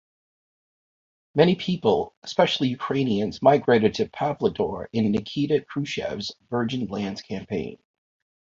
Many people, especially Ukrainians, migrated to Pavlodar in Nikita Khrushchev's Virgin Lands Campaign.